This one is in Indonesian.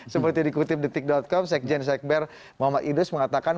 seperti dikutip detik com sekjen sekber muhammad idus mengatakan